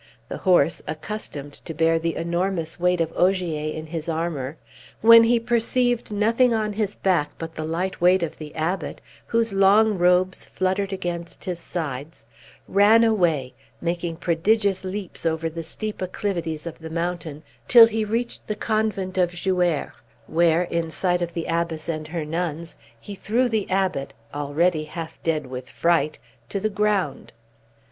The horse, accustomed to bear the enormous weight of Ogier in his armor, when he perceived nothing on his back but the light weight of the Abbot, whose long robes fluttered against his sides, ran away, making prodigious leaps over the steep acclivities of the mountain till he reached the convent of Jouaire, where, in sight of the Abbess and her nuns, he threw the Abbot, already half dead with fright, to the ground.